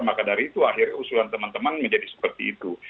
maka dari itu akhirnya usulan teman teman menjadi seperti itu